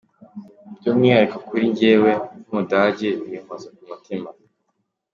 By’umwihariko kuri njyewe, nk’Umudage binkoze ku mutima.